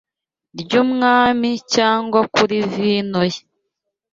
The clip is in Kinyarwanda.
ry’umwami cyangwa kuri vino ye.